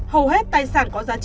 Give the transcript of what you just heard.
hầu hết tài sản có giá trị